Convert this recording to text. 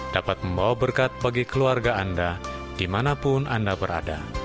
dapat membawa berkat bagi keluarga anda dimanapun anda berada